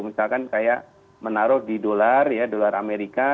misalkan kayak menaruh di dolar ya dolar amerika